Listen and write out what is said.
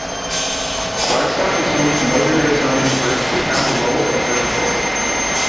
Flagstaff is home to Northern Arizona University and the Lowell Observatory.